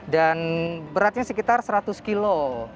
dan beratnya sekitar seratus kilo